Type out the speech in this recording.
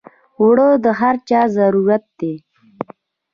اوړه د هر چا ضرورت دی